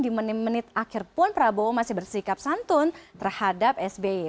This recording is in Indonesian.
di menit menit akhir pun prabowo masih bersikap santun terhadap sby